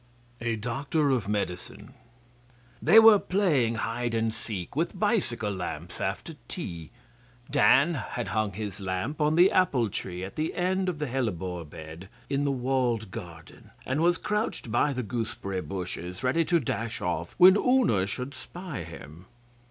A Doctor of Medicine They were playing hide and seek with bicycle lamps after tea. Dan had hung his lamp on the apple tree at the end of the hellebore bed in the walled garden, and was crouched by the gooseberry bushes ready to dash off when Una should spy him.